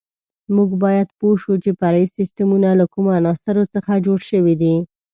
موږ باید پوه شو چې فرعي سیسټمونه له کومو عناصرو څخه جوړ شوي دي.